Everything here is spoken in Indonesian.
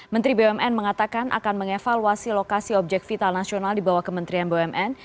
menteri bumn mengatakan akan mengevaluasi lokasi objek vital nasional di bawah kementerian bumn